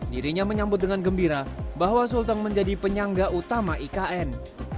dirinya menyambut dengan gembira bahwa sulteng menjadi penyangga utama ikn